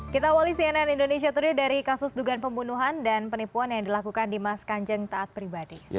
kita awali cnn indonesia today dari kasus dugaan pembunuhan dan penipuan yang dilakukan dimas kanjeng taat pribadi